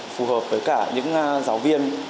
phù hợp với cả những giáo viên